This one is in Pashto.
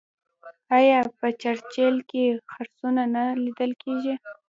آیا په چرچیل کې خرسونه نه لیدل کیږي؟